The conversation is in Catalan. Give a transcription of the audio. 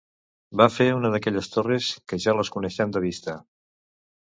Va fer una d'aquelles torres que ja les coneixem de vista